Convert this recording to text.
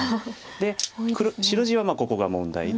で白地はここが問題で。